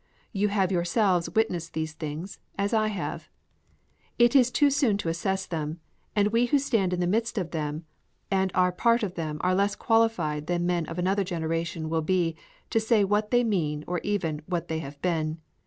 You have yourselves witnessed these things, as I have. It is too soon to assess them; and we who stand in the midst of them and are part of them are less qualified than men of another generation will be to say what they mean or even what they have been.